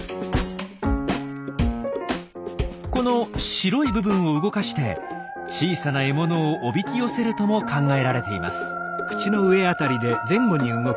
この白い部分を動かして小さな獲物をおびき寄せるとも考えられています。